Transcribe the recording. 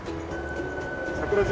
桜島